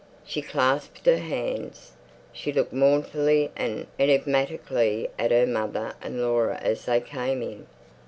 She clasped her hands. She looked mournfully and enigmatically at her mother and Laura as they came in.